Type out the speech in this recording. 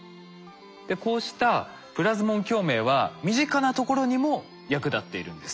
こうしたプラズモン共鳴は身近なところにも役立っているんです。